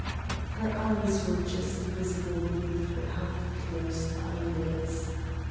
Her eyes were just visible beneath her half closed eyelids.